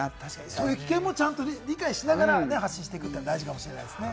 そういう危険も理解しながら発信していくのは大事かもしれないですね。